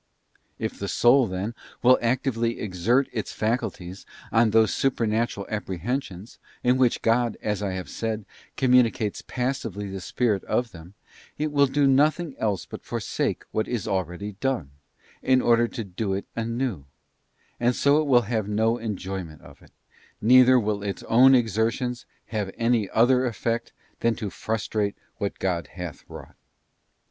If the soul, then, will actively exert its faculties on those Supernatural Apprehensions, in which God, as I have said, communicates passively the spirit of them, it will do nothing else but forsake what is already done, in order to do it anew; and so will have no enjoyment of it, neither will its own exertions have any other effect than to frustrate what God hath wrought.